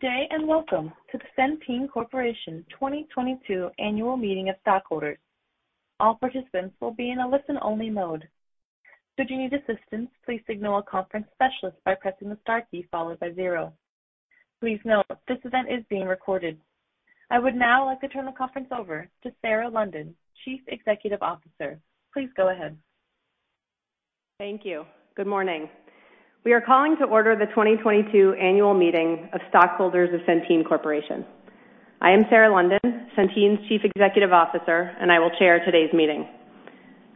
Good day and welcome to the Centene Corporation 2022 Annual Meeting of Stockholders. All participants will be in a listen-only mode. Should you need assistance, please signal a conference specialist by pressing the star key followed by zero. Please note, this event is being recorded. I would now like to turn the conference over to Sarah London, Chief Executive Officer. Please go ahead. Thank you. Good morning. We are calling to order the 2022 Annual Meeting of Stockholders of Centene Corporation. I am Sarah London, Centene's Chief Executive Officer, and I will chair today's meeting.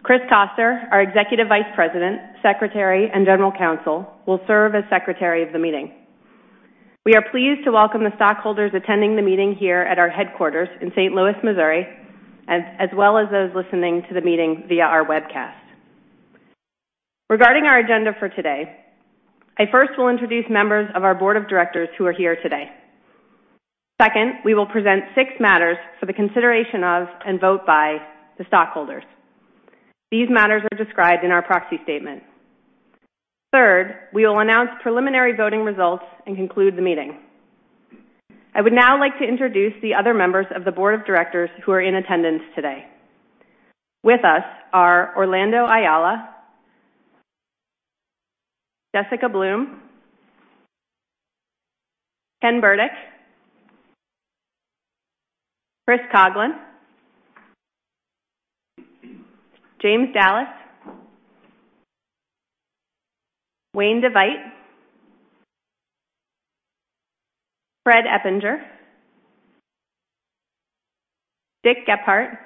Chris Koster, our Executive Vice President, Secretary, and General Counsel, will serve as Secretary of the Meeting. We are pleased to welcome the stockholders attending the meeting here at our headquarters in St. Louis, Missouri, as well as those listening to the meeting via our webcast. Regarding our agenda for today, I first will introduce members of our Board of Directors who are here today. Second, we will present six matters for the consideration of and vote by the stockholders. These matters are described in our proxy statement. Third, we will announce preliminary voting results and conclude the meeting. I would now like to introduce the other members of the Board of Directors who are in attendance today. With us are Orlando Ayala, Jessica Blume, Ken Burdick, Chris Coughlin, James Dallas, Wayne DeVeydt, Fred Eppinger, Dick Gephardt,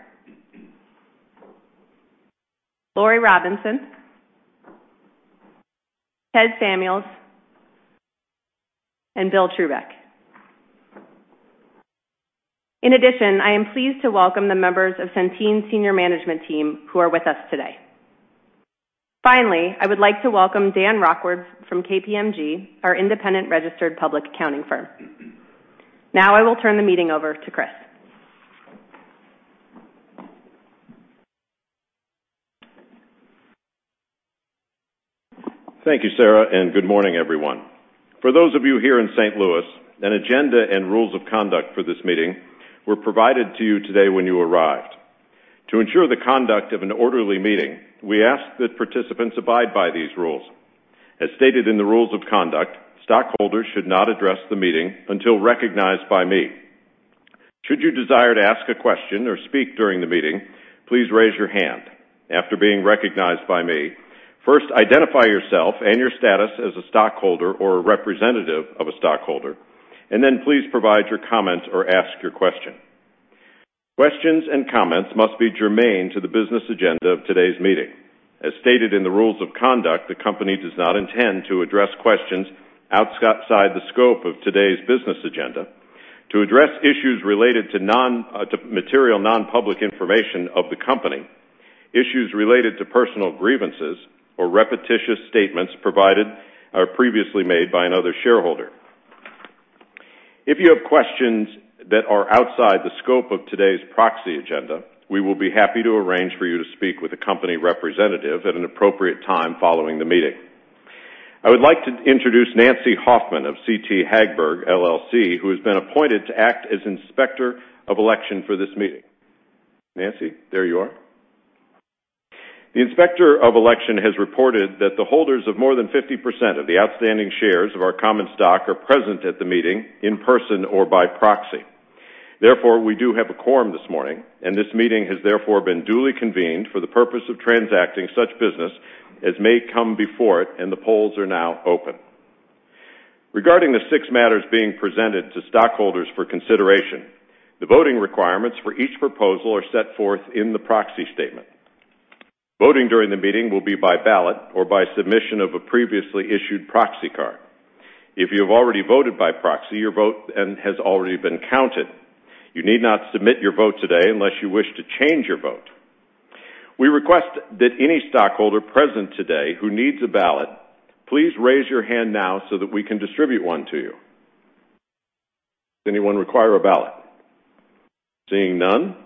Lori Robinson, Ted Samuels, and Bill Trubeck. In addition, I am pleased to welcome the members of Centene's Senior Management Team who are with us today. Finally, I would like to welcome Dan Lockwood from KPMG, our independent registered public accounting firm. Now I will turn the meeting over to Chris. Thank you, Sarah, and good morning, everyone. For those of you here in St. Louis, an agenda and rules of conduct for this meeting were provided to you today when you arrived. To ensure the conduct of an orderly meeting, we ask that participants abide by these rules. As stated in the rules of conduct, stockholders should not address the meeting until recognized by me. Should you desire to ask a question or speak during the meeting, please raise your hand. After being recognized by me, first identify yourself and your status as a stockholder or a representative of a stockholder, and then please provide your comment or ask your question. Questions and comments must be germane to the business agenda of today's meeting. As stated in the rules of conduct, the company does not intend to address questions outside the scope of today's business agenda, to address issues related to material non-public information of the company, issues related to personal grievances, or repetitious statements provided or previously made by another shareholder. If you have questions that are outside the scope of today's proxy agenda, we will be happy to arrange for you to speak with a company representative at an appropriate time following the meeting. I would like to introduce Nancy Hoffman of CT Hagberg, who has been appointed to act as Inspector of Election for this meeting. Nancy, there you are. The Inspector of Election has reported that the holders of more than 50% of the outstanding shares of our common stock are present at the meeting in person or by proxy. Therefore, we do have a quorum this morning, and this meeting has therefore been duly convened for the purpose of transacting such business as may come before it, and the polls are now open. Regarding the six matters being presented to stockholders for consideration, the voting requirements for each proposal are set forth in the proxy statement. Voting during the meeting will be by ballot or by submission of a previously issued proxy card. If you have already voted by proxy, your vote has already been counted. You need not submit your vote today unless you wish to change your vote. We request that any stockholder present today who needs a ballot, please raise your hand now so that we can distribute one to you. Does anyone require a ballot? Seeing none,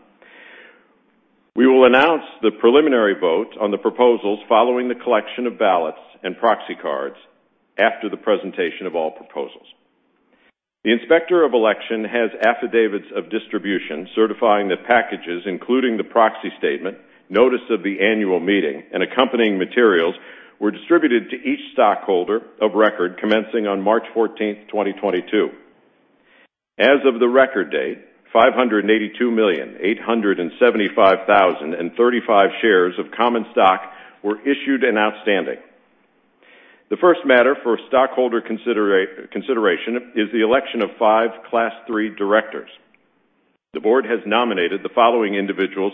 we will announce the preliminary vote on the proposals following the collection of ballots and proxy cards after the presentation of all proposals. The Inspector of Election has affidavits of distribution certifying that packages, including the proxy statement, notice of the annual meeting, and accompanying materials were distributed to each stockholder of record commencing on March 14, 2022. As of the record date, 582,875,035 shares of common stock were issued and outstanding. The first matter for stockholder consideration is the election of five Class 3 directors. The board has nominated the following individuals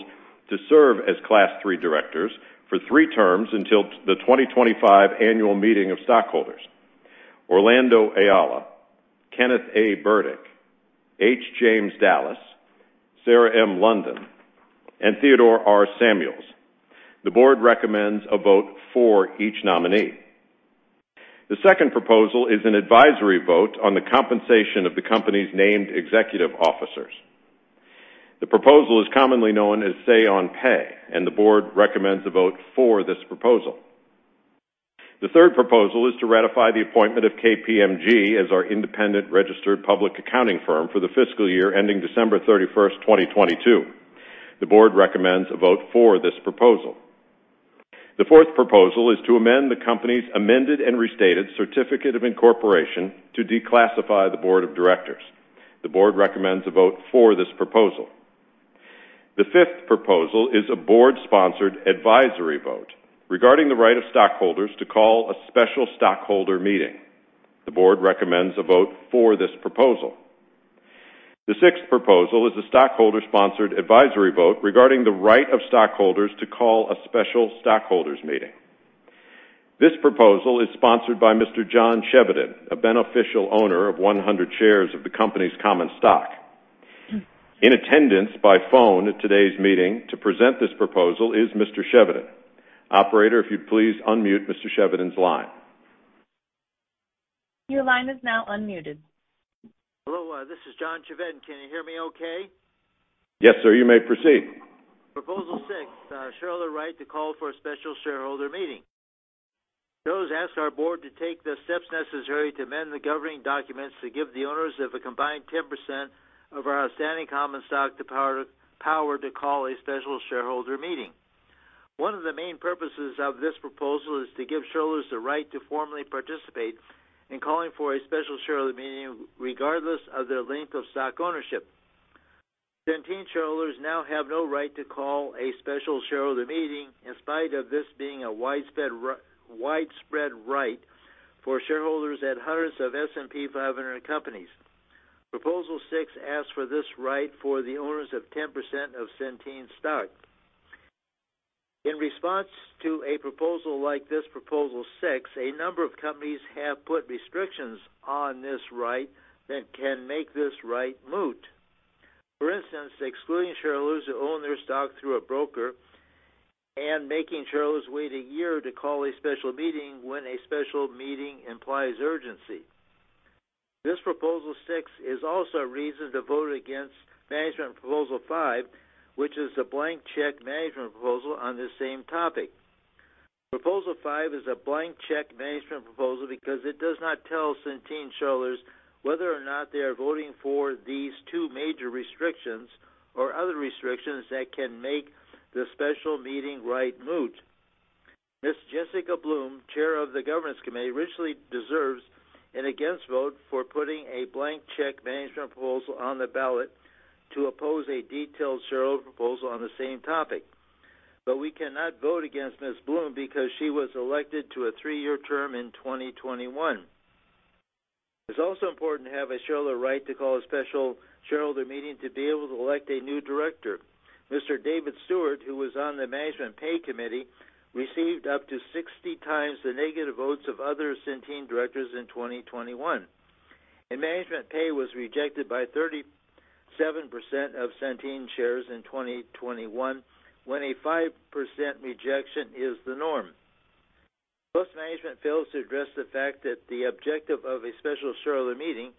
to serve as Class 3 directors for three terms until the 2025 Annual Meeting of Stockholders: Orlando Ayala, Kenneth A. Burdick, H. James Dallas, Sarah M. London, and Theodore R. Samuels. The board recommends a vote for each nominee. The second proposal is an advisory vote on the compensation of the company's named executive officers. The proposal is commonly known as Say On Pay, and the board recommends a vote for this proposal. The third proposal is to ratify the appointment of KPMG as our independent registered public accounting firm for the fiscal year ending December 31, 2022. The board recommends a vote for this proposal. The fourth proposal is to amend the company's amended and restated certificate of incorporation to declassify the board of directors. The board recommends a vote for this proposal. The fifth proposal is a board-sponsored advisory vote regarding the right of stockholders to call a special stockholder meeting. The board recommends a vote for this proposal. The sixth proposal is a stockholder-sponsored advisory vote regarding the right of stockholders to call a special stockholder meeting. This proposal is sponsored by Mr. John Chevedden, a beneficial owner of 100 shares of the company's common stock. In attendance by phone at today's meeting to present this proposal is Mr. Shevitin. Operator, if you'd please unmute Mr. Shevitin's line. Your line is now unmuted. Hello, this is John Shevitin. Can you hear me okay? Yes, sir, you may proceed. Proposal six, show the right to call for a special shareholder meeting. Shareholders ask our board to take the steps necessary to amend the governing documents to give the owners of a combined 10% of our outstanding common stock the power to call a special shareholder meeting. One of the main purposes of this proposal is to give shareholders the right to formally participate in calling for a special shareholder meeting regardless of their length of stock ownership. Centene shareholders now have no right to call a special shareholder meeting in spite of this being a widespread right for shareholders at hundreds of S&P 500 companies. Proposal six asks for this right for the owners of 10% of Centene stock. In response to a proposal like this proposal six, a number of companies have put restrictions on this right that can make this right moot. For instance, excluding shareholders who own their stock through a broker and making shareholders wait a year to call a special meeting when a special meeting implies urgency. This proposal six is also a reason to vote against management proposal five, which is a blank check management proposal on the same topic. Proposal five is a blank check management proposal because it does not tell Centene shareholders whether or not they are voting for these two major restrictions or other restrictions that can make the special meeting right moot. Ms. Jessica Bloom, chair of the governance committee, richly deserves an against vote for putting a blank check management proposal on the ballot to oppose a detailed shareholder proposal on the same topic. We cannot vote against Ms. Bloom because she was elected to a three-year term in 2021. It's also important to have a shareholder right to call a special shareholder meeting to be able to elect a new director. Mr. David Steward, who was on the management pay committee, received up to 60 times the negative votes of other Centene directors in 2021. Management pay was rejected by 37% of Centene shares in 2021 when a 5% rejection is the norm. Most management fails to address the fact that the objective of a special shareholder meeting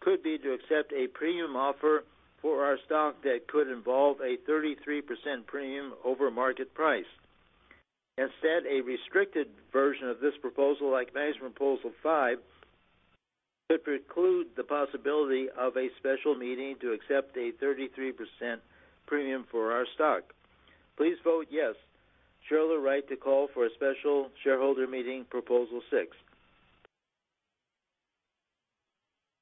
could be to accept a premium offer for our stock that could involve a 33% premium over market price. Instead, a restricted version of this proposal, like management proposal five, could preclude the possibility of a special meeting to accept a 33% premium for our stock. Please vote yes, show the right to call for a special shareholder meeting proposal six.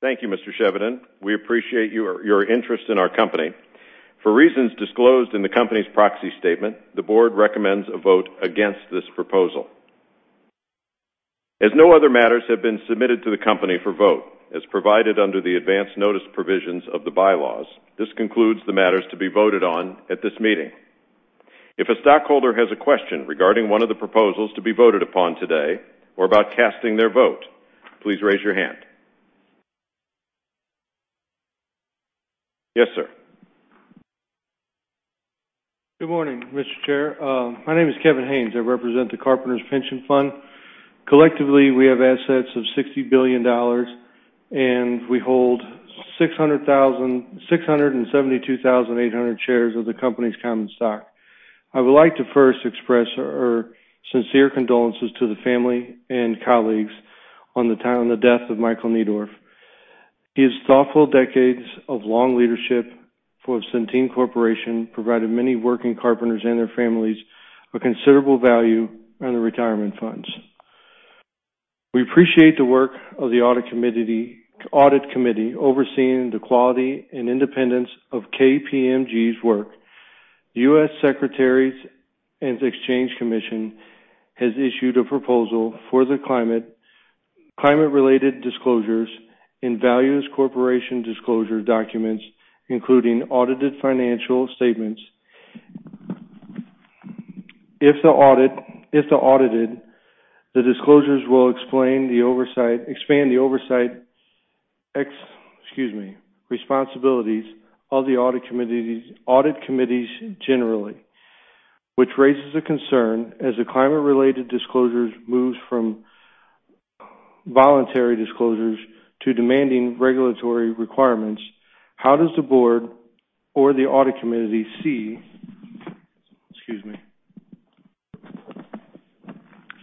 Thank you, Mr. Shevitin. We appreciate your interest in our company. For reasons disclosed in the company's proxy statement, the board recommends a vote against this proposal. As no other matters have been submitted to the company for vote, as provided under the advance notice provisions of the bylaws, this concludes the matters to be voted on at this meeting. If a stockholder has a question regarding one of the proposals to be voted upon today or about casting their vote, please raise your hand. Yes, sir. Good morning, Mr. Chair. My name is Kevin Hayes. I represent the Carpenters Pension Fund. Collectively, we have assets of $60 billion, and we hold 672,800 shares of the company's common stock. I would like to first express our sincere condolences to the family and colleagues on the death of Michael Neidorff. His thoughtful decades of long leadership for Centene Corporation provided many working carpenters and their families a considerable value on the retirement funds. We appreciate the work of the audit committee overseeing the quality and independence of KPMG's work. The U.S. Securities and Exchange Commission has issued a proposal for the climate-related disclosures and values corporation disclosure documents, including audited financial statements. If the audited, the disclosures will expand the oversight responsibilities of the audit committees generally, which raises a concern as the climate-related disclosures move from voluntary disclosures to demanding regulatory requirements. How does the board or the audit committee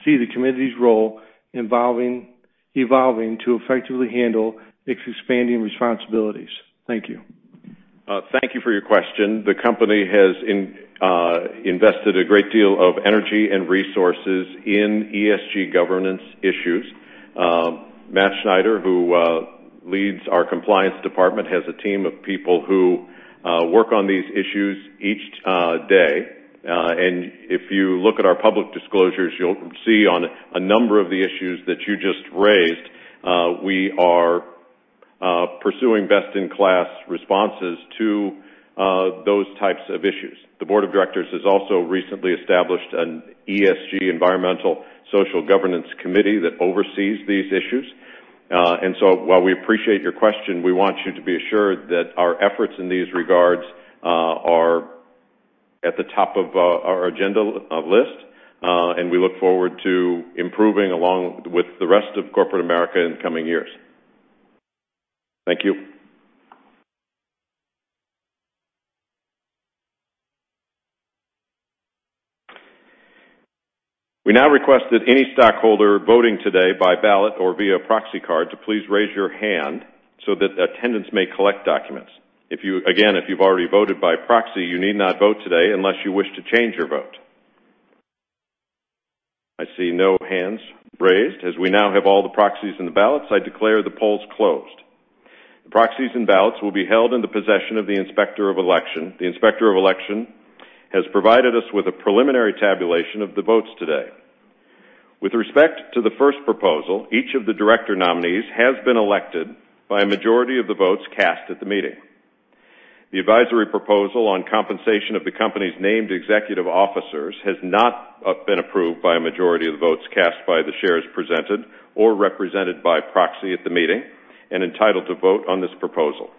see the committee's role evolving to effectively handle its expanding responsibilities? Thank you. Thank you for your question. The company has invested a great deal of energy and resources in ESG governance issues. Matt Snyder, who leads our compliance department, has a team of people who work on these issues each day. If you look at our public disclosures, you'll see on a number of the issues that you just raised, we are pursuing best-in-class responses to those types of issues. The board of directors has also recently established an ESG environmental social governance committee that oversees these issues. While we appreciate your question, we want you to be assured that our efforts in these regards are at the top of our agenda list, and we look forward to improving along with the rest of corporate America in coming years. Thank you. We now request that any stockholder voting today by ballot or via proxy card to please raise your hand so that attendance may collect documents. Again, if you've already voted by proxy, you need not vote today unless you wish to change your vote. I see no hands raised. As we now have all the proxies and the ballots, I declare the polls closed. The proxies and ballots will be held in the possession of the Inspector of Election. The Inspector of Election has provided us with a preliminary tabulation of the votes today. With respect to the first proposal, each of the director nominees has been elected by a majority of the votes cast at the meeting. The advisory proposal on compensation of the company's named executive officers has not been approved by a majority of the votes cast by the shares present or represented by proxy at the meeting and entitled to vote on this proposal.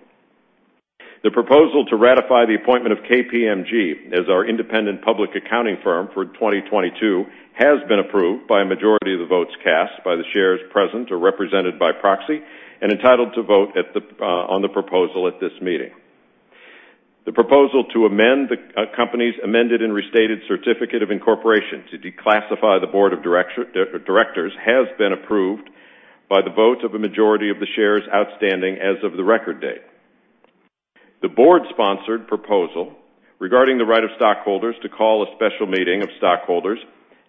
The proposal to ratify the appointment of KPMG as our independent public accounting firm for 2022 has been approved by a majority of the votes cast by the shares present or represented by proxy and entitled to vote on the proposal at this meeting. The proposal to amend the company's amended and restated certificate of incorporation to declassify the board of directors has been approved by the vote of a majority of the shares outstanding as of the record date. The board-sponsored proposal regarding the right of stockholders to call a special meeting of stockholders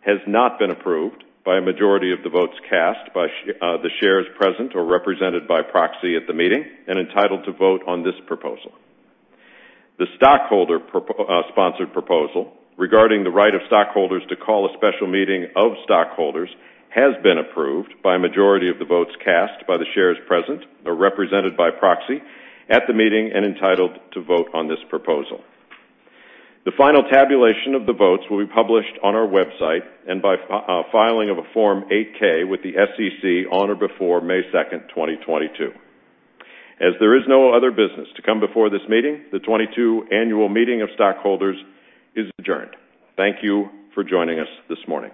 has not been approved by a majority of the votes cast by the shares present or represented by proxy at the meeting and entitled to vote on this proposal. The stockholder-sponsored proposal regarding the right of stockholders to call a special meeting of stockholders has been approved by a majority of the votes cast by the shares present or represented by proxy at the meeting and entitled to vote on this proposal. The final tabulation of the votes will be published on our website and by filing of a Form 8-K with the U.S. Securities and Exchange Commission on or before May 2, 2022. As there is no other business to come before this meeting, the 2022 annual meeting of stockholders is adjourned. Thank you for joining us this morning.